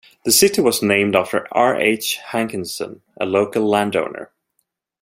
The city was named after R. H. Hankinson, a local land owner.